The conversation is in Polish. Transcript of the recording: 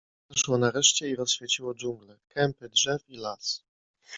Słońce wzeszło nareszcie i rozświeciło dżunglę, kępy drzew i las.